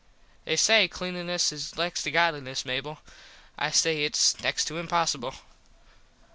They say Cleanliness is next to Godliness, Mable. I say its next to impossible.